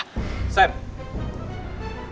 ternyata gitu doang